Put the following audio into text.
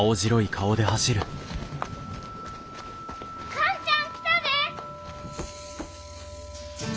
寛ちゃん来たで！